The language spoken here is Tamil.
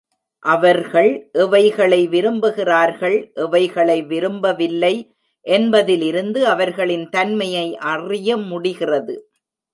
அவர்கள் எவைகளை விரும்புகிறார்கள், எவைகளை விரும்பவில்லை என்பதிலிருந்து அவர்களின் தன்மையை அறிய முடிகிறது.